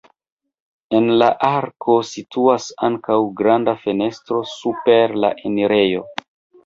En la arko situas ankaŭ granda fenestro super la enirejo.